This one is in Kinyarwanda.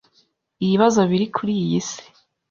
ibibazo biri kuri iyi si